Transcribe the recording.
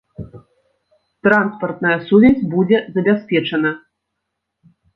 Транспартная сувязь будзе забяспечана.